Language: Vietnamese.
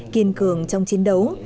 kiên cường trong chiến đấu